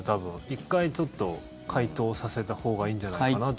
一回、ちょっと解凍させたほうがいいんじゃないのかなって。